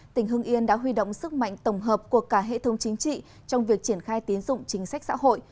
tỉnh hưng yên đã huy động sức mạnh tổng hợp của cả hệ thống chính trị trong việc triển khai tiến dụng chính sách xã hội